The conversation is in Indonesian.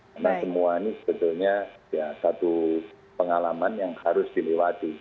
karena semua ini sebetulnya satu pengalaman yang harus dilewati